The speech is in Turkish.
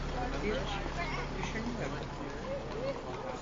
Hiç, düşünüyordum.